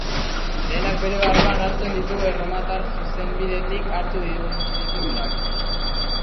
Lehenak bere barruan hartzen ditu erromatar zuzenbidetik hartu ditugunak.